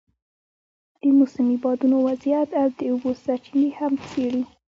د موسمي بادونو وضعیت او د اوبو سرچینې هم څېړي.